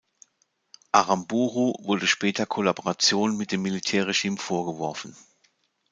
Aramburu wurde später Kollaboration mit dem Militärregime vorgeworfen.